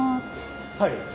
はい。